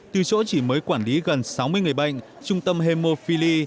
từ chỗ chỉ mới quản lý gần sáu mươi người bệnh trung tâm hemophili